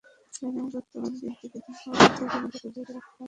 জীবনের এমন গুরুত্বপূর্ণ দিনটিতেও ধূমপান থেকে নিজেকে দূরে রাখতে পারেননি মনীষা।